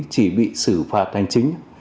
chỉ bị xử phạt thành chính